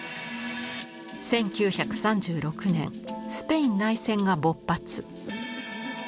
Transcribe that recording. １９３６年スペイン内戦が勃発。